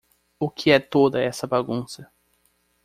O que é toda essa bagunça?